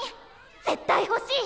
絶対ほしい！